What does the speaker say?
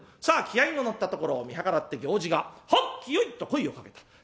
さあ気合いの乗ったところを見計らって行司が「はっきよい」と声をかけた。